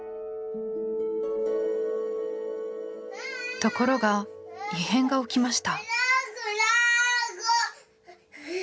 ところが異変が起きました。